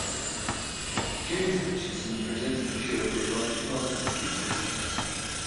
James Richardson presented the show for a large part of its existence.